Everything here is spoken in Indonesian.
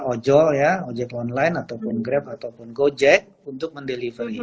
ojek ojol ya ojek online ataupun grab ataupun gojek untuk mendelivery